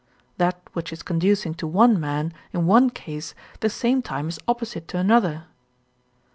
That which is conducing to one man, in one case, the same time is opposite to another.